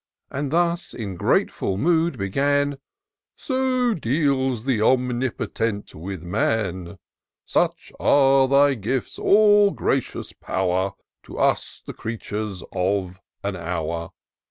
And thus in grateful mood began :" So deals th' Omnipotent with man ! Such are thy gifts, all gracious Power, To us, the creatures of an hour